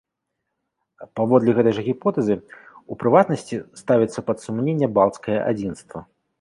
Паводле гэтай жа гіпотэзы, у прыватнасці, ставіцца пад сумненне балцкае адзінства.